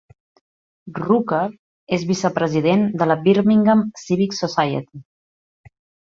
Rooker és vicepresident de la Birmingham Civic Society.